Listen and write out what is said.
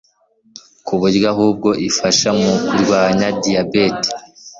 ku buryo ahubwo ifasha mu kurwanya diyabete